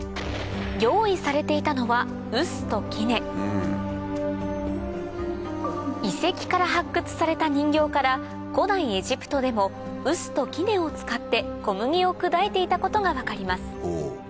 用意されていたのは遺跡から発掘された人形から古代エジプトでも臼と杵を使って小麦を砕いていたことが分かります